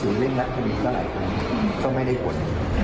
เวลาไหร่ครับต้องให้ได้ก่อน